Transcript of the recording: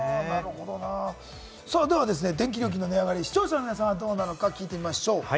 では電気料金の値上がり、視聴者の皆さんはどうなのか、聞いてみましょう。